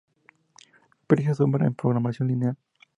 Precio Sombra en Programación Lineal